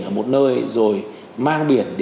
ở một nơi rồi mang biển